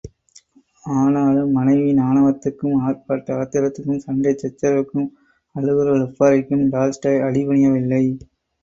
ஆனாலும் மனைவியின் ஆணவத்துக்கும் ஆர்ப்பாட்ட ஆத்திரத்துக்கும் சண்டை சச்சரவுக்கும், அழுகுரல் ஒப்பாரிக்கும் டால்ஸ்டாய் அடிபணியவில்லை.